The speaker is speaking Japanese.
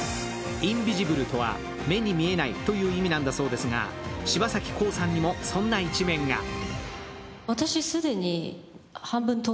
インビジブルとは目に見えないという意味なんだそうですが柴咲コウさんにも、そんな一面が。